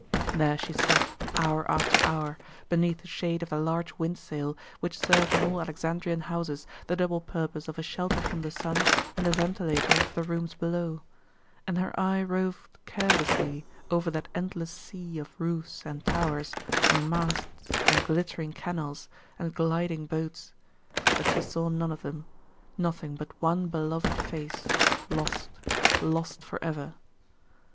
There she sat, hour after hour, beneath the shade of the large windsail, which served in all Alexandrian houses the double purpose of a shelter from the sun and a ventilator for the rooms below; and her eye roved carelessly over that endless sea of roofs and towers, and masts, and glittering canals, and gliding boats; but she saw none of them nothing but one beloved face, lost, lost for ever.